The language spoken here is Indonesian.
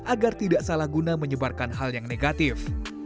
agar tidak salah guna menyebarkan hal yang negatif